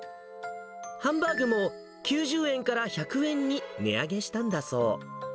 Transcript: ハンバーグも９０円から１００円に値上げしたんだそう。